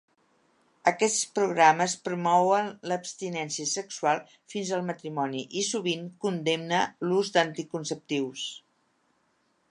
Aquests programes promouen l'abstinència sexual fins al matrimoni i sovint condemna l'ús d'anticonceptius.